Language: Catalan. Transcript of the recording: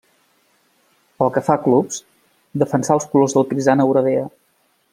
Pel que fa a clubs, defensà els colors del Crişana Oradea.